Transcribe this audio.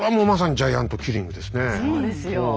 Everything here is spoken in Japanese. そうですよ。